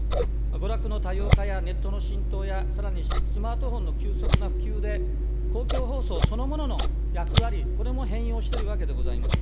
娯楽の多様化や、ネットの浸透や、さらにスマートフォンの急速な普及で、公共放送そのものの役割、これも変容しているわけでございます。